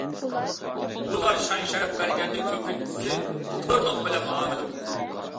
ئۇلار شان-شەرەپ بەرگەندە، كۆپىنچىسى كورلۇق بىلەن مۇئامىلە قىلىدۇ.